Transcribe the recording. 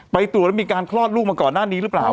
ตรวจแล้วมีการคลอดลูกมาก่อนหน้านี้หรือเปล่า